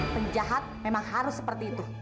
penjahat memang harus seperti itu